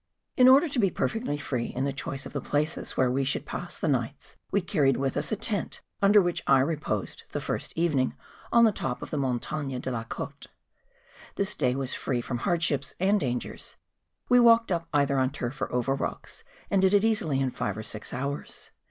In order to be perfectly free in the choice of the places where we should pass the nights, we carried with us a tent under which I reposed the first even¬ ing on the top of the Montague de la Cote. This day 'was free from hardships and dangers: we walked up either on turf or over rocks, and did it easily in five or six hours.